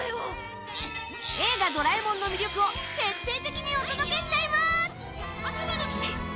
「映画ドラえもん」の魅力を徹底的にお届けしちゃいます！